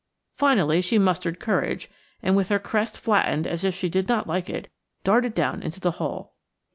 Finally she mustered courage, and with her crest flattened as if she did not like it, darted down into the hole.